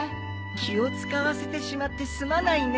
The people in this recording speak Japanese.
気を使わせてしまってすまないね。